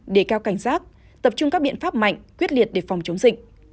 để cao cảnh giác tập trung các biện pháp mạnh quyết liệt để phòng chống dịch